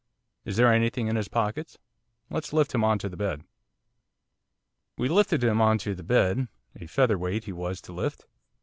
Is there anything in his pockets? let's lift him on to the bed.' We lifted him on to the bed, a featherweight he was to lift.